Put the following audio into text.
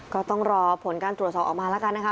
ก็ต้องรอผลการตรวจสอบออกมาแล้วกันนะคะ